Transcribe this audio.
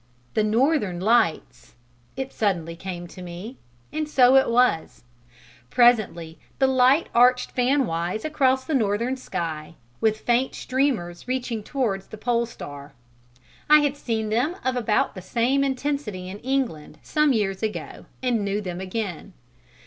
"The Northern Lights"! It suddenly came to me, and so it was: presently the light arched fanwise across the northern sky, with faint streamers reaching towards the Pole star. I had seen them of about the same intensity in England some years ago and knew them again.